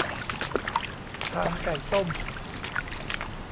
พานไก่ต้ม